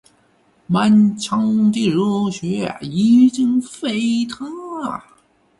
满腔的热血已经沸腾，